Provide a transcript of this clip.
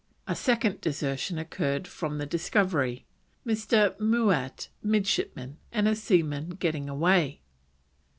A second desertion occurred from the Discovery, Mr. Mouat, midshipman, and a seaman getting away.